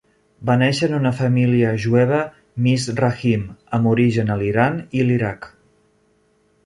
Va néixer en una família jueva mizrahim amb origen a l'Iran i l'Iraq.